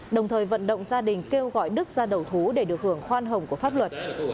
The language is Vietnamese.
đồng thời vận động gia đình kêu gọi đức ra đầu thú để được hưởng khoan hồng của pháp luật